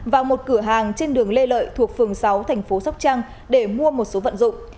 vào một cửa hàng trên đường lê lợi thuộc phường sáu tp sóc trang để mua một số vận dụng